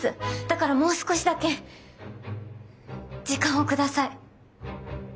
だからもう少しだけ時間をください。